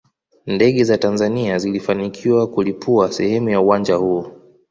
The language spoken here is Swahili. Ndege za Tanzania zilifanikiwa kulipua sehemu ya uwanja huo